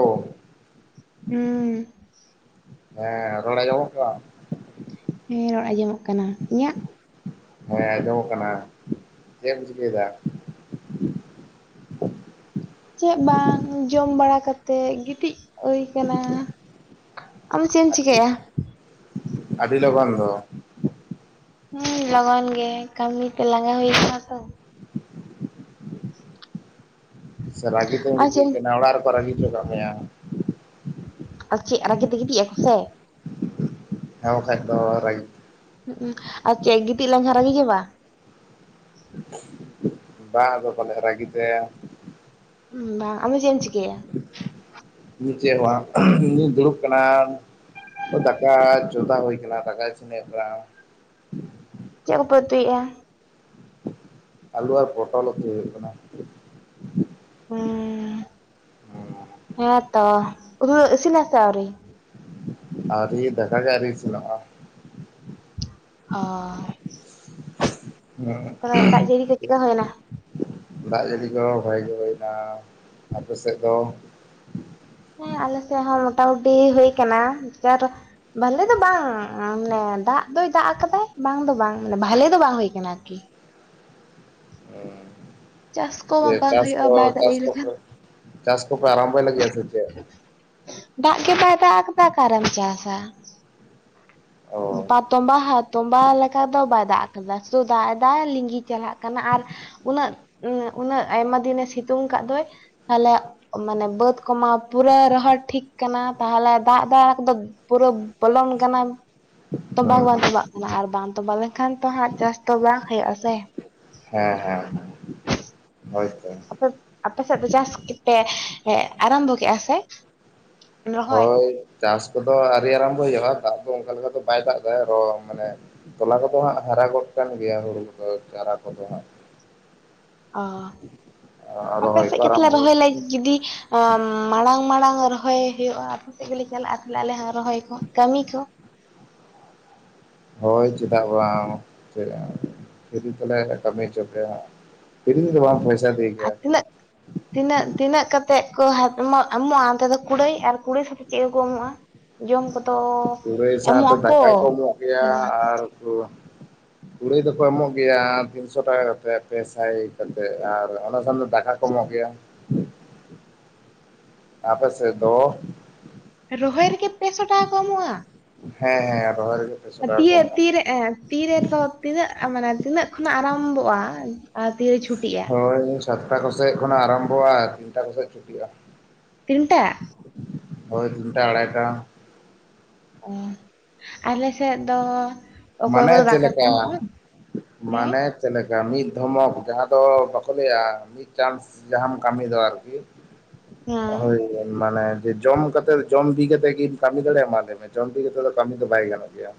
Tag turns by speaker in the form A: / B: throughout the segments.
A: ᱚ
B: ᱦᱩᱸ ᱾
A: ᱦᱮᱸ ᱨᱚᱲ ᱟᱧᱡᱚᱢ ᱚ ᱠᱟᱱᱟ ᱾
B: ᱦᱮᱸ ᱨᱚᱲ ᱟᱸᱡᱚᱢᱚᱜ ᱠᱟᱱᱟ ᱤᱧᱟᱹᱜ?
A: ᱦᱮᱸ ᱟᱸᱡᱚᱢᱚᱜ ᱠᱟᱱᱟ ᱪᱮᱫ ᱮᱢ ᱪᱤᱠᱟᱹᱭᱟ ᱫᱟ?
B: ᱪᱮᱫ ᱵᱟᱝ ᱡᱚᱢ ᱵᱟᱲᱟ ᱠᱟᱛᱮᱮᱫ ᱜᱤᱛᱤᱡ ᱦᱳᱭ ᱠᱟᱱᱟ ᱾ ᱟᱢ ᱪᱮᱫ ᱮᱢ
A: ᱟᱹᱰᱤ
B: ᱪᱤᱠᱭᱟ?
A: ᱟᱹᱰᱤ ᱞᱚᱜᱚᱱ ᱫᱚ ᱾
B: ᱦᱩᱸ ᱞᱚᱜᱚᱱ ᱜᱮ ᱠᱟᱹᱢᱤ ᱛᱮ ᱞᱟᱸᱜᱟ ᱦᱩᱭ ᱠᱟᱱᱟ ᱛᱚ ᱾
A: [inaudible] ᱥᱮ ᱨᱟᱹᱜᱤᱛᱮᱢ
B: ᱟᱨ
A: ᱜᱤᱛᱤᱡ
B: ᱪᱮᱫ
A: ᱠᱟᱱᱟ ᱚᱲᱟᱜ ᱨᱮᱠᱚ ᱨᱟᱹᱜᱤ ᱦᱚᱪᱚ ᱠᱟ ᱢᱮᱭᱟ?
B: ᱟᱫᱚ ᱪᱮᱫ ᱨᱟᱜᱤ ᱛᱮᱜᱤᱛᱤᱡ ᱟᱭ ᱥᱮ ᱾
A: ᱦᱮᱸ ᱵᱠᱷᱟᱡ ᱫᱚ ᱨᱟ
B: ᱦᱩᱸᱩ ᱟᱨ ᱪᱮᱫ ᱜᱤᱛᱤᱡ ᱞᱮᱝ ᱠᱷᱟᱱ ᱨᱟᱜᱤ ᱜᱮ ᱵᱟ ᱾
A: ᱵᱟ ᱟᱫᱚ ᱯᱷᱞᱮ ᱨᱟᱜᱤ ᱛᱮ
B: ᱦᱩᱸ ᱵᱟᱝ ᱟᱢᱫᱚ ᱪᱮᱫ-ᱮᱢ ᱪᱤᱠᱟᱭᱟ ᱾
A: ᱪᱮ ᱦᱚᱸ ᱵᱟᱝ ᱤᱧ ᱫᱚ ᱫᱩᱲᱩᱵ ᱠᱟᱱᱟ ᱾ ᱫᱟᱠᱟ ᱪᱚᱫᱟ ᱦᱳᱭ ᱠᱟᱱᱟ ᱫᱟᱠᱟ ᱤᱥᱤᱱᱹ ᱦᱩᱭᱩᱜ ᱠᱟᱱᱟ ᱾
B: ᱪᱮᱫ ᱠᱚᱯᱮ ᱩᱛᱩᱭᱮᱟᱼᱟ ᱾
A: ᱟᱞᱩ ᱟᱨ ᱯᱚᱴᱚᱞ ᱩᱛᱩ ᱦᱳᱭᱳᱜ ᱠᱟᱱᱟ ᱾
B: ᱦᱩᱸ ᱦᱮᱸᱛᱚ ᱩᱛᱩ ᱫᱚ ᱮᱥᱤᱱ-ᱱᱟᱥᱮ ᱟᱹᱣᱨᱤᱭᱟ?
A: ᱟᱩᱨᱤ ᱫᱟᱠᱟ ᱜᱮ ᱟᱩᱨᱤ ᱤᱥᱤᱱ-ᱟ ᱾
B: ᱚᱻ ᱾
A: ᱦᱮ [inaudible]
B: ᱠᱫᱚ ᱫᱟᱜ ᱡᱟᱹᱲᱤ ᱠᱚ ᱪᱮᱛ ᱞᱮᱠᱟ ᱦᱳᱭᱱᱟ?
A: ᱫᱟᱜ ᱡᱟᱹᱲᱤ ᱫᱚ ᱵᱟᱭ ᱡᱟ. ᱲᱤ ᱮᱫ ᱟᱯᱮ ᱥᱮᱫ ᱫᱚ?
B: ᱦᱮᱸ ᱟᱞᱮ ᱥᱮᱫ ᱦᱚᱸ ᱞᱳᱚᱴᱟᱢᱩᱴᱤ ᱦᱩᱭ ᱠᱟᱱᱟ ᱡᱟᱨ ᱵᱷᱟᱞᱮ ᱫᱚ ᱵᱟᱝ ᱢᱟᱱᱮ ᱫᱟᱜ ᱫᱚᱭ ᱫᱟᱜ ᱠᱟᱫᱟᱭ ᱵᱟᱝ ᱫᱚ ᱵᱟᱝ ᱢᱟᱱᱮ ᱵᱷᱟᱞᱮ ᱫᱚ ᱵᱟᱝ ᱦᱳᱭ ᱠᱟᱱᱟ ᱟᱨᱠᱤ ᱪᱟᱥ
A: ᱩ
B: ᱠᱚᱢᱟ ᱵᱟᱝ
A: ᱪᱟᱥ
B: ᱦᱩᱭᱩᱜᱼᱟ
A: ᱠᱚ
B: ᱵᱟᱭ ᱫᱟᱜ
A: ᱪᱟᱥ
B: ᱡᱟᱹᱲᱤ
A: ᱠᱚ
B: ᱞᱮᱠᱷᱟᱱ
A: ᱠᱚ ᱪᱟᱥ ᱠᱚᱯᱮ ᱟᱨᱚᱢ ᱵᱷᱚᱭ ᱞᱟᱜᱤᱛ ᱟᱥᱮ ᱪᱮᱛ?
B: ᱫᱟᱜ ᱜᱮ ᱵᱟᱭ ᱫᱟᱟᱜ ᱠᱟᱫᱟ ᱟᱠᱟᱨᱮᱢ ᱪᱟᱥᱟ ᱾ [unintelligible]
A: ᱚ
B: [unintelligible] ᱛᱚᱢᱵᱟᱦᱟ ᱛᱚᱢᱵᱟ ᱞᱮᱠᱟ ᱫᱚ ᱵᱟᱭ ᱫᱟᱜ [unintelligible] [unintelligible] ᱥᱩ ᱫᱟᱜ ᱮᱫᱟᱭ ᱞᱤᱸᱜᱤ ᱪᱟᱞᱟᱜ ᱠᱟᱱᱟ ᱟᱨ ᱩᱱᱟᱹᱜ -ᱩ ᱩᱱᱟᱹᱜ ᱟᱭᱢᱟ ᱫᱤᱱᱮ ᱥᱤᱛᱩᱝ ᱠᱷᱟᱫ ᱫᱚᱭ ᱛᱟᱦᱞᱮ ᱢᱟᱱᱮ ᱵᱟᱹᱫ ᱠᱚᱢᱟ ᱯᱩᱨᱟᱹ ᱨᱚᱦᱚᱲ ᱴᱷᱤᱠ ᱠᱟᱱᱟ ᱛᱟᱦᱚᱞᱮ ᱫᱟᱜ ᱯᱩᱨᱟᱹ ᱵᱚᱞᱚᱱ ᱠᱟᱱᱟ᱾ ᱛᱚᱸᱵᱟ
A: ᱦᱮᱸ
B: ᱜᱮ ᱵᱟᱝ
A: ᱦᱮᱸ
B: ᱛᱚᱸᱵᱟᱜ ᱠᱟᱱᱟ ᱟᱨ ᱵᱟᱝ ᱛᱚᱸᱵᱟ ᱞᱮᱱᱠᱷᱟᱱ ᱛᱚ ᱦᱟᱸᱜ ᱪᱟᱥ ᱫᱚ ᱵᱟᱝ ᱦᱩᱭᱩᱜᱼᱟ ᱥᱮ
A: ᱦᱮᱸᱻᱦᱮᱸᱻ
B: ᱟᱯᱮ, ᱟᱯᱮ ᱥᱮᱫ ᱫᱚ ᱪᱟᱥ ᱯᱮ ᱮ ᱟᱨᱟᱢᱵᱷᱚ ᱠᱮᱫᱼᱟ ᱥᱮ ᱨᱚᱦᱚᱭ
A: ᱦᱳᱭ ᱪᱟᱥ ᱠᱚᱫᱚ ᱟᱹᱣᱨᱤ ᱟᱨᱚᱢᱵᱷᱚ ᱦᱩᱭᱩᱜᱼᱟ ᱫᱟᱜ ᱫᱚ ᱚᱱᱠᱟ ᱞᱮᱠᱟ ᱫᱚ ᱵᱟᱭ ᱫᱟᱜ ᱮᱫᱟ ᱟᱨᱚ ᱢᱟᱱᱮ ᱛᱚᱞᱟ ᱠᱚᱫᱚ ᱦᱟᱸᱜ ᱦᱟᱨᱟ ᱜᱚᱫ ᱠᱟᱱ ᱜᱮᱭᱟ ᱦᱳᱲᱳ ᱫᱚ ᱪᱟᱨᱟ ᱠᱚᱫᱚ ᱦᱟᱸᱜ
B: ᱚ ᱟᱯᱮ
A: ᱨᱚᱦᱚᱭ ᱠᱚ
B: ᱥᱮᱫ ᱜᱮ ᱛᱟᱦᱚᱞᱮ
A: ᱟᱨᱟᱢᱵᱚ
B: ᱨᱚᱦᱚᱭ ᱞᱟᱹᱜᱤᱫ ᱡᱩᱫᱤ ᱢᱟᱲᱟᱝ-ᱢᱟᱲᱟᱝ ᱨᱚᱦᱚᱭ ᱦᱚᱭᱚᱜᱼᱟ ᱟᱛᱩ ᱥᱮᱫ ᱜᱮᱞᱮ ᱪᱟᱞᱟᱜᱼᱟ ᱛᱟᱦᱚᱞᱮ ᱟᱞᱮ ᱦᱚᱸ ᱨᱚᱦᱚᱭ ᱠᱚ ᱠᱟᱹᱢᱤ ᱠᱚ
A: ᱦᱚᱭ ᱪᱮᱫᱟᱜ ᱵᱟᱝ ᱪᱮ ᱯᱷᱤᱨᱤ ᱛᱮᱞᱮ ᱠᱟᱹᱢᱤ ᱦᱚᱪᱚ ᱯᱮᱭᱟ ᱦᱟᱸᱜ ᱯᱷᱤᱨᱤ ᱛᱮᱫᱚ ᱵᱟᱝ
B: ᱟᱨ ᱛᱤᱱᱟᱹᱜ
A: ᱪᱮᱫ ᱦᱚᱸ ᱵᱟᱝ ᱟᱸᱡᱚᱢᱚᱜ ᱠᱟᱱᱟ
B: ᱛᱤᱱᱟᱹᱜ-ᱛᱤᱱᱟᱹᱜ ᱠᱟᱛᱮᱫ ᱠᱚ ᱮᱢᱚᱜ, ᱮᱢᱚᱜᱼᱟ ᱚᱱᱛᱮ ᱫᱚ ᱠᱩᱲᱟᱹᱭ ᱟᱨ ᱠᱩᱲᱟᱹᱭ ᱥᱟᱛᱮ ᱪᱮᱫ ᱠᱚ ᱮᱢᱚᱜᱼᱟ᱾ ᱡᱚᱢ ᱠᱚᱫᱚ
A: ᱠᱩᱲᱟᱹᱭ
B: ᱮᱢᱚᱜ
A: ᱥᱟᱶᱛᱮ
B: ᱟᱠᱚ
A: ᱫᱟᱠᱟ ᱠᱚ ᱮᱢᱚᱜ
B: ᱥᱮ
A: ᱜᱮᱭᱟ
B: ᱵᱟᱝ
A: ᱟᱨ ᱩᱛᱩ ᱠᱩᱲᱟᱹᱭ ᱫᱚᱠᱚ ᱮᱢᱚᱜ ᱜᱮᱭᱟ ᱛᱤᱱᱥᱚ ᱴᱟᱠᱟ ᱠᱟᱛᱮ ᱯᱮ ᱥᱟᱭ ᱠᱟᱛᱮᱫ ᱟᱨ ᱚᱱᱟ ᱥᱟᱶ ᱫᱚ ᱫᱟᱠᱟ ᱠᱚ ᱮᱢᱚᱜ ᱜᱮᱭᱟ᱾ ᱟᱯᱮ ᱥᱮᱫ ᱫᱚ?
B: ᱨᱚᱦᱚᱭ ᱨᱮᱜᱮ ᱯᱮᱥᱚ ᱴᱟᱠᱟ ᱠᱚ ᱮᱢᱚᱜᱼᱟ ᱾
A: ᱦᱮᱸᱻ ᱦᱮᱸᱻ ᱨᱚᱦᱚᱭ ᱨᱮᱜᱮ ᱯᱮᱥᱚ ᱴᱟᱠᱟ ᱠᱚ
B: ᱛᱤᱭᱟᱹᱜ
A: ᱮᱢᱚᱜᱼᱟ
B: ᱛᱤᱨᱮ ᱮᱸ ᱛᱤᱨᱮᱫᱚ ᱛᱤᱱᱟᱹᱜ ᱢᱟᱱᱮ ᱛᱤᱱᱟᱹᱜ ᱠᱷᱚᱱᱟᱜ ᱟᱨᱟᱢᱵᱷᱚᱜᱼᱟ ᱟᱨ ᱛᱤᱨᱮ ᱪᱷᱩᱴᱤᱜᱼᱟ?
A: ᱦᱚᱭ ᱥᱟᱛᱴᱟ ᱠᱚᱥᱮᱡ ᱠᱷᱚᱱᱟᱜ ᱟᱨᱟᱢᱵᱷᱚᱜᱼᱟ ᱛᱤᱱᱴᱟ ᱠᱚᱥᱮᱡ ᱪᱷᱩᱴᱤᱜᱼᱟ᱾
B: ᱛᱤᱱᱴᱟ
A: ᱦᱚᱭ ᱛᱤᱱᱴᱟ ᱟᱲᱦᱟᱹᱭᱴᱟ
B: ᱚ ᱟᱞᱮ ᱥᱮᱫ ᱫᱚ ᱚᱠᱚᱭ
A: ᱢᱟᱱᱮ
B: ᱠᱚᱫᱚ
A: ᱪᱮᱫ
B: ᱫᱟᱠᱟ ᱠᱚ
A: ᱞᱮᱠᱟ
B: ᱮᱢᱚᱜᱼᱟ ᱦᱮᱸᱻ
A: ᱢᱟᱱᱮ ᱪᱮᱫ ᱞᱮᱠᱟ ᱢᱤᱫ ᱫᱷᱚᱢᱚᱠ ᱡᱟᱦᱟᱸ ᱫᱚ ᱵᱟᱠᱚ ᱞᱟᱹᱭᱟ ᱪᱟᱱᱥ ᱡᱟᱦᱟᱸᱟᱢ ᱠᱟᱹᱢᱤ ᱫᱚ ᱟᱨᱠᱤ
B: ᱦᱮᱸ
A: ᱦᱚᱭ ᱢᱟᱱᱮ ᱡᱮ ᱡᱚᱢ ᱠᱟᱛᱮ ᱡᱚᱢ ᱵᱤ ᱠᱟᱛᱮᱫ ᱜᱮᱢ ᱠᱟᱹᱢᱤ ᱫᱟᱲᱮᱭᱟᱜᱼᱟ ᱢᱟ ᱞᱟᱹᱭ ᱢᱮ ᱡᱚᱢ ᱵᱤ ᱠᱟᱛᱮᱫ ᱫᱚ ᱠᱟᱹᱢᱤ ᱫᱚ ᱵᱟᱭ ᱜᱟᱱᱚᱜ ᱜᱮᱭᱟ᱾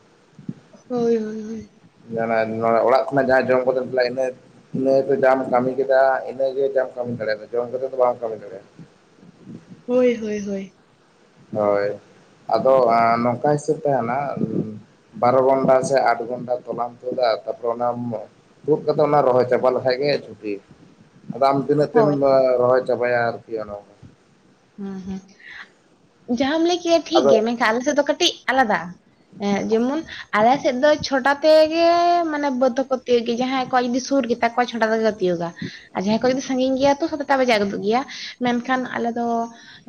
B: ᱦᱚᱭ-ᱦᱚᱭ-ᱦᱚᱭ
A: ᱚᱲᱟᱜ ᱠᱷᱚᱱᱟᱜ ᱡᱟᱦᱟᱸᱭ ᱡᱚᱢ ᱠᱟᱛᱮᱭ ᱪᱟᱞᱟᱜᱼᱟ ᱤᱱᱟᱹ ᱤᱱᱟᱹ ᱫᱚ ᱡᱟᱦᱟᱸᱢ ᱠᱟᱹᱢᱤ ᱠᱮᱫᱟ ᱤᱱᱟᱹ ᱜᱮ ᱡᱟᱦᱟᱸᱢ ᱠᱟᱹᱢᱤ ᱫᱟᱲᱮᱭᱟᱫᱟ ᱡᱚᱢ ᱠᱟᱛᱮ ᱫᱚ ᱵᱟᱢ ᱠᱟᱹᱢᱤ ᱫᱟᱲᱮᱭᱟᱜᱼᱟ᱾
B: ᱦᱚᱭ -ᱦᱚᱭ-ᱦᱚᱭ
A: ᱦᱳᱭ ᱟᱫᱚ ᱟᱸ ᱱᱚᱝᱠᱟ ᱦᱤᱥᱟᱹᱵ ᱛᱟᱦᱮᱱᱟ ᱵᱟᱨᱚ ᱜᱚᱱᱰᱟ ᱥᱮ ᱟᱴ ᱜᱚᱱᱰᱟ ᱛᱚᱞᱟᱢ ᱛᱩᱫᱟ ᱛᱟᱨᱯᱚᱨᱮ ᱚᱱᱟᱢ ᱛᱩᱫ ᱠᱟᱛᱮᱜ ᱚᱱᱟ ᱨᱚᱦᱚᱭ ᱪᱟᱵᱟ ᱞᱮᱠᱷᱟᱡ ᱜᱮ ᱪᱷᱩᱴᱤ ᱟᱫᱚ ᱟᱢ ᱛᱤᱱᱟᱹᱜ ᱛᱮᱢ
B: ᱦᱳᱭ
A: ᱨᱚᱦᱚᱭ ᱪᱟᱵᱟᱭᱟ ᱟᱨᱠᱤ ᱚᱱᱮ ᱚᱱᱠᱟ
B: ᱦᱩᱸ-ᱦᱩᱸ ᱡᱟᱦᱟᱢ ᱞᱟᱹᱭ ᱠᱮᱫᱼᱟ ᱴᱷᱤᱠ
A: ᱟᱫᱚ
B: ᱜᱮ ᱢᱮᱱᱠᱷᱟᱱ ᱟᱞᱮ ᱥᱮᱫ ᱫᱚ ᱠᱟᱹᱴᱤᱡ ᱟᱞᱟᱫᱟ ᱦᱮᱸ ᱡᱮᱢᱚᱱ ᱟᱞᱮ ᱥᱮᱫ ᱫᱚ ᱪᱷᱚᱴᱟ ᱛᱮᱜᱮ ᱢᱟᱱᱮ ᱵᱟᱹᱫᱷ ᱦᱚᱸᱠᱚ ᱛᱤᱭᱩᱜ ᱜᱮᱭᱟ ᱡᱟᱦᱟᱸᱭ ᱠᱚᱣᱟᱜ ᱡᱩᱫᱤ ᱥᱩᱨ ᱜᱮᱛᱟ ᱠᱚᱣᱟ ᱪᱷᱚᱴᱟ ᱛᱮᱜᱮ ᱠᱚ ᱛᱤᱭᱩᱜᱟ ᱟᱨ ᱡᱟᱦᱟᱸᱭ ᱠᱚ ᱡᱩᱫᱤ ᱥᱟᱺᱜᱤᱧ ᱜᱮᱭᱟ ᱛᱚ ᱥᱟᱛᱴᱟ ᱵᱟᱡᱟᱣ ᱜᱚᱫᱚᱜ ᱜᱮᱭᱟ ᱢᱮᱱᱠᱷᱟᱱ ᱟᱞᱮ ᱫᱚ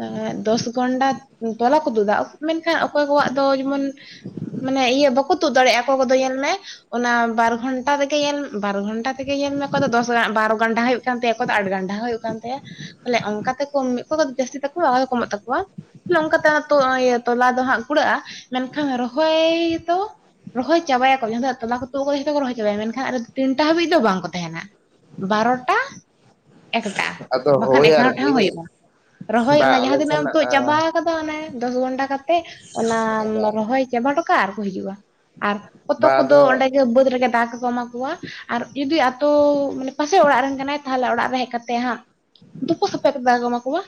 B: ᱮᱸᱜ ᱫᱚᱥ ᱜᱚᱱᱰᱟ ᱛᱚᱞᱟ ᱠᱚ ᱛᱩᱫᱟ ᱢᱮᱱᱠᱷᱟᱱ ᱚᱠᱚᱭ ᱠᱚᱣᱟᱜ ᱫᱚ ᱡᱮᱢᱚᱱ ᱢᱟᱱᱮ ᱤᱭᱟᱹ ᱵᱟᱠᱚ ᱛᱩᱫ ᱫᱟᱲᱮᱭᱟᱜᱼᱟ ᱚᱠᱚᱭ ᱠᱚᱫᱚ ᱧᱮᱞ ᱢᱮ ᱚᱱᱟ ᱵᱟᱨ ᱜᱷᱚᱱᱴᱟ ᱨᱮᱜᱮ ᱧᱮᱞ ᱵᱟᱨ ᱜᱷᱚᱱᱴᱟ ᱛᱮᱜᱮ ᱧᱮᱞ ᱢᱮ ᱚᱠᱚᱭ ᱫᱚ ᱫᱚᱥ ᱵᱟᱨᱚ ᱜᱟᱱᱰᱟ ᱦᱩᱭᱩᱜ ᱠᱟᱱ ᱛᱟᱭᱟ ᱚᱠᱚᱭ ᱫᱚ ᱟᱴ ᱜᱟᱱᱰᱟ ᱦᱚᱸ ᱦᱩᱭᱩᱜ ᱠᱟᱱ ᱛᱟᱭᱟ ᱛᱟᱦᱚᱞᱮ ᱚᱱᱠᱟ ᱛᱮᱠᱚ ᱚᱠᱚᱭ ᱠᱚ ᱡᱟᱹᱥᱛᱤᱜ ᱛᱟᱠᱚᱣᱟ ᱟᱨ ᱠᱚᱢᱚᱜ ᱛᱟᱠᱚᱣᱟ ᱛᱚᱞᱟ ᱫᱚ ᱦᱟᱸᱜ ᱠᱩᱲᱟᱹᱜᱼᱟ ᱢᱮᱱᱠᱷᱟᱱ ᱨᱚᱦᱚᱭ ᱫᱚ ᱨᱚᱦᱚᱭ ᱪᱟᱵᱟᱭᱟᱠᱚ ᱡᱟᱦᱟᱸ ᱛᱤᱱᱟᱹᱜ ᱛᱚᱞᱟ ᱠᱚ ᱛᱩᱫ ᱠᱟᱫᱟ ᱡᱷᱚᱛᱚ ᱠᱚ ᱨᱚᱦᱚᱭ ᱪᱟᱵᱟᱭᱟ, ᱢᱮᱱᱠᱟᱷᱟᱱ ᱛᱤᱱᱴᱟ ᱦᱟᱹᱵᱤᱡ ᱫᱚ ᱵᱟᱝ ᱠᱚ ᱛᱟᱦᱮᱱᱟ᱾ ᱵᱟᱨᱚᱴᱟ ᱮᱠᱴᱟ
A: ᱟᱫᱚ
B: ᱵᱟᱠᱷᱟᱱ
A: ᱦᱳᱭ
B: ᱮᱜᱟᱨᱚᱴᱟ ᱦᱚᱸ
A: ᱟᱨᱠᱤ
B: ᱦᱩᱭᱩᱜᱼᱟ ᱾ ᱨᱚᱦᱚᱭ
A: ᱵᱟᱝ
B: ᱚᱱᱟ
A: ᱟᱞᱮ
B: ᱡᱟᱦᱟᱸ ᱛᱤᱱᱟᱹᱜ
A: ᱥᱮᱱ
B: ᱮᱢ ᱛᱩᱫ ᱪᱟᱵᱟ ᱟᱠᱟᱫᱟ ᱚᱱᱮ ᱫᱚᱥ ᱜᱷᱚᱱᱴᱟ ᱠᱟᱛᱮᱜ ᱚᱱᱟᱢ
A: ᱵᱟᱝ
B: ᱨᱚᱦᱚᱭ ᱼᱼ ᱪᱟᱵᱟ ᱦᱚᱴᱚ ᱠᱟᱜᱼᱟ, ᱟᱨ ᱠᱚ ᱦᱤᱡᱩᱜᱼᱟ, ᱟᱨ ᱠᱚᱛᱚᱠ
A: ᱵᱟᱝ
B: ᱠᱚᱫᱚ ᱚᱸᱰᱮ
A: ᱟᱫᱚ
B: ᱜᱮ ᱵᱟᱹᱫᱽ ᱨᱮᱜᱮ ᱫᱟᱠᱟ ᱠᱚᱠᱚ ᱮᱢᱟ ᱠᱚᱼᱼ ᱟᱨ ᱡᱩᱫᱤ ᱟᱛᱳ ᱢᱟᱱᱮ ᱯᱟᱥᱮ ᱚᱲᱟᱜ ᱨᱮᱱ ᱠᱟᱱᱟᱭ ᱾ ᱛᱟᱦᱚᱞᱮ ᱚᱲᱟᱜ ᱨᱮ ᱦᱮᱡ ᱠᱟᱛᱮ ᱦᱟᱸᱜ ᱛᱩᱯᱩ ᱥᱟᱯᱟ ᱠᱟᱛᱮ ᱫᱟᱠᱟ ᱠᱚ ᱮᱢᱟᱠᱚᱣᱟ,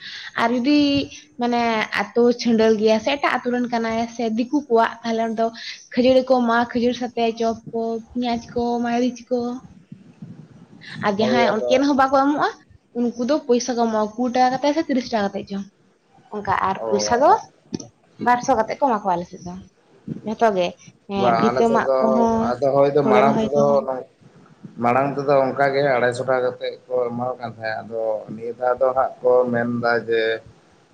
B: ᱟᱨ ᱡᱩᱫᱤ ᱢᱟᱱᱮ ᱟᱛᱳ ᱪᱷᱤᱰᱟᱹᱞ ᱜᱮᱭᱟᱭ ᱥᱮ ᱮᱴᱟᱜ ᱟᱛᱳ ᱨᱮᱱ ᱠᱟᱱᱟᱭ ᱥᱮ ᱫᱤᱠᱩ ᱠᱚᱣᱟᱜ ᱛᱟᱦᱞᱮ ᱩᱱᱤ ᱫᱚ ᱾ ᱠᱷᱟᱹᱡᱟᱹᱲᱤ ᱠᱚ ᱮᱢᱟᱜ-ᱟ, ᱠᱷᱟᱹᱡᱩᱨ ᱥᱟᱛᱮ ᱪᱚᱯ ᱠᱚ, ᱯᱮᱸᱭᱟᱡᱽ ᱠᱚ, ᱢᱟᱹᱨᱤᱪ ᱠᱚ ᱾ ᱟᱨ
A: ᱦᱳᱭ
B: ᱡᱟᱦᱟᱸᱭ ᱪᱮᱱ
A: ᱟᱫᱚ
B: ᱦᱚᱸ ᱵᱟᱱ᱾ ᱮᱢᱚᱜᱼᱟ, ᱩᱱᱠᱩ ᱫᱚ ᱯᱚᱭᱥᱟ ᱠᱚ ᱮᱢᱚᱜᱼᱟ ᱠᱩᱲᱤ ᱴᱟᱠᱟ ᱠᱟᱛᱮ ᱥᱮ ᱛᱤᱨᱤᱥ ᱴᱟᱠᱟ ᱠᱟᱛᱮ ᱪᱚᱝ ᱾ ᱚᱱᱠᱟ ᱟᱨ
A: ᱚ
B: ᱯᱚᱭᱥᱟ ᱫᱚ ᱼᱼ ᱵᱟᱨᱥᱚ ᱠᱟᱛᱮᱫ ᱠᱚ ᱮᱢᱟ ᱠᱚᱣᱟ ᱟᱞᱮ ᱥᱮᱫ ᱫᱚ ᱡᱚᱛᱚ ᱜᱮ ᱾
A: ᱵᱟᱝ ᱟᱞᱮ ᱥᱮᱫ ᱫᱚ, ᱟᱫᱚ ᱦᱚᱭ ᱫᱚ
B: ᱦᱳᱲᱳ
A: ᱢᱟᱲᱟᱝ
B: ᱨᱚᱦᱚᱭ
A: ᱛᱮᱫᱚ
B: ᱠᱚᱦᱚᱸ
A: ᱾ ᱢᱟᱲᱟᱝ ᱛᱮᱫᱚ ᱚᱱᱠᱟ ᱜᱮ ᱟᱲᱟᱭᱥᱚ ᱴᱟᱠᱟ ᱠᱟᱛᱮᱫ ᱠᱚ ᱮᱢᱟ ᱠᱚ ᱠᱟᱱ ᱛᱟᱦᱮᱸᱫ ᱟᱫᱚ ᱱᱤᱭᱟᱹ ᱫᱷᱟᱣ ᱫᱚ ᱦᱟᱸᱜ ᱾ ᱠᱚ ᱢᱮᱱᱫᱟ ᱡᱮ ᱾